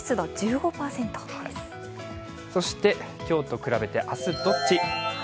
今日と比べて明日どっち。